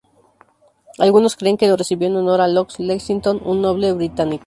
Algunos creen que lo recibió en honor a Lord Lexington, un noble británico.